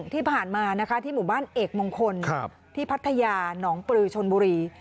ที่ผ่านมานะคะที่หมู่บ้านเอกมงคลที่พัทยาหนองปลือชนบุรี